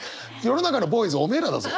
世の中のボーイズおめえらだぞ。